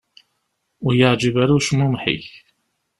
Ur i-yeεǧib ara ucmumeḥ-ik.